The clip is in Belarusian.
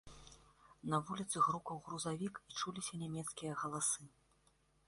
На вуліцы грукаў грузавік і чуліся нямецкія галасы.